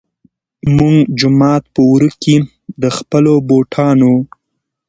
مونږ جومات پۀ ورۀ کښې د خپلو بوټانو